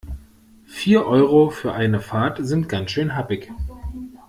Vier Euro für eine Fahrt sind ganz schön happig.